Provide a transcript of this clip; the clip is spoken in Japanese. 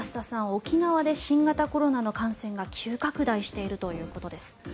沖縄で新型コロナの感染が急拡大しているということです。